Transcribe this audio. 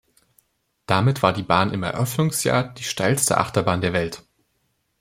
Damit war die Bahn im Eröffnungsjahr die steilste Achterbahn der Welt.